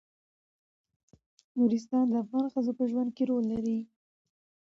نورستان د افغان ښځو په ژوند کې رول لري.